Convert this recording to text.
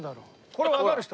これわかる人。